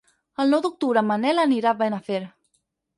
El nou d'octubre en Manel anirà a Benafer.